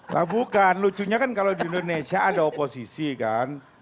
nah bukan lucunya kan kalau di indonesia ada oposisi kan